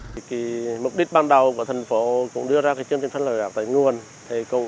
vì mục đích ban đầu của thành phố cũng đưa ra chương trình phân vải rác tại nguồn